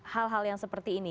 hal hal yang seperti ini